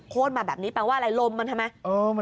มาแบบนี้แปลว่าอะไรลมมันทำไม